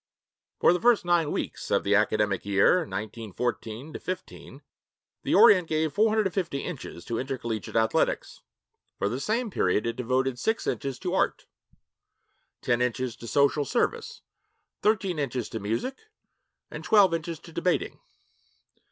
For the first nine weeks of the academic year 1914 15, the Orient gave 450 inches to intercollegiate athletics. For the same period, it devoted six inches to art, ten inches to social service, thirteen inches to music, and twelve inches to debating.